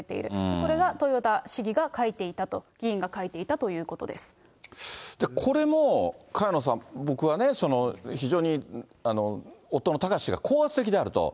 これが豊田市議が書いていたと、これも萱野さん、僕はね、非常に夫の貴志氏が高圧的であると。